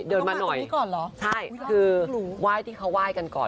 เดินมาหน่อยใช่คือไหว้ที่เขาไหว้กันก่อน